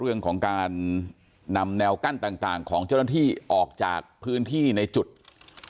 เรื่องของการนำแนวกั้นต่างของเจ้าหน้าที่ออกจากพื้นที่ในจุด